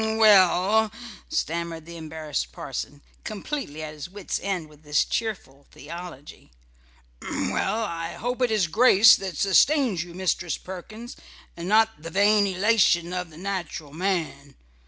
"H m! h m! Well," stammered the embarrassed parson, completely at his wit's end with this cheerful theology, "well, I hope it is grace that sustains you, Mistress Perkins, and not the vain elation of the natural man.